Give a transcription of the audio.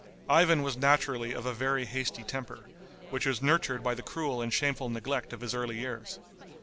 Ivan was naturally of a very hasty temper, which was nurtured by the cruel and shameful neglect of his early years.